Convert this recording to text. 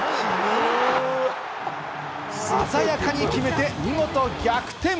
鮮やかに決めて、見事逆転！